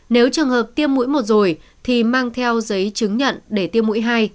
nếu trường hợp tiêm mũi một rồi thì mang theo giấy chứng nhận để tiêm mũi hai